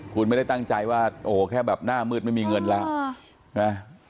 คุณไม่ได้ตั้งใจว่าโอ้โหแค่แบบหน้ามืดไม่มีเงินแล้วนะ